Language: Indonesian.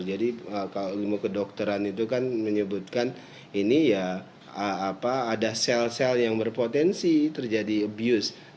jadi ilmu kedokteran itu kan menyebutkan ini ya ada sel sel yang berpotensi terjadi abuse